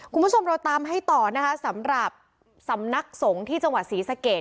คุณผู้ชมเราตามให้ต่อนะคะสำหรับสำนักสงฆ์ที่จังหวัดศรีสะเกด